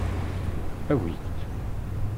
Awit-t.